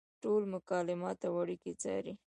ټول مکالمات او اړیکې څاري.